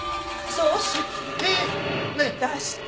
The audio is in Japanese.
葬式出して。